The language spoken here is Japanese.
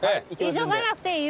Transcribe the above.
急がなくていい。